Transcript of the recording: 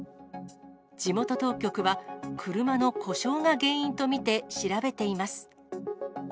地元当局は、車の故障が原因と見て調べています。